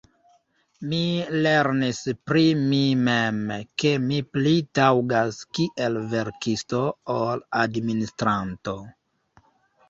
Mi lernis pri mi mem, ke mi pli taŭgas kiel verkisto ol administranto.